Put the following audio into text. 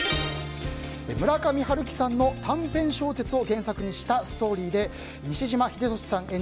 村上春樹さんの短編小説を原作にしたストーリーで西島秀俊さん